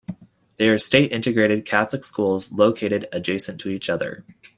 They are state integrated Catholic schools located adjacent to each other.